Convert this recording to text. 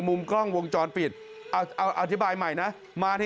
มุมกล้องวงจรปิดอธิบายใหม่นะ